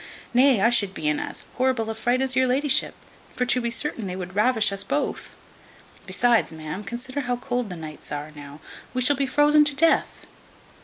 Nay, I should be in as horrible a fright as your la'ship; for to be certain, they would ravish us both. Besides, ma'am, consider how cold the nights are now; we shall be frozen to death."